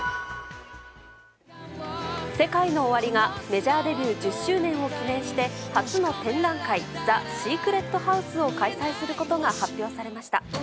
ＳＥＫＡＩＮＯＯＷＡＲＩがメジャーデビュー１０周年を記念して初の展覧会「ＴＨＥＳＥＣＲＥＴＨＯＵＳＥ」を開催することが発表されました。